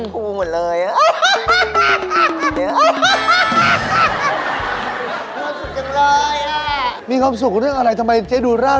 เจ๊มีความสุขหัวเราะก็รีดีไปหมดเลย